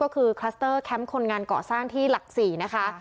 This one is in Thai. ก็คือคลัสเตอร์แคมป์คนงานเกาะสร้างที่หลัก๔นะคะ